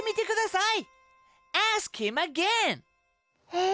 え？